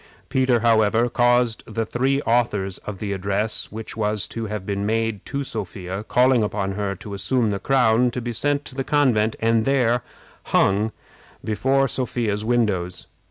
Peter, however, caused the three authors of the address, which was to have been made to Sophia, calling upon her to assume the crown, to be sent to the convent, and there hung before Sophia's windows.